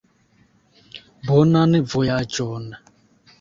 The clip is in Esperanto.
Bonan vojaĝon!